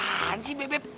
apaan sih bebep